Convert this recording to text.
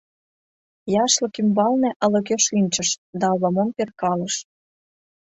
Яшлык ӱмбалне ала-кӧ шинчыш да ала-мом перкалыш.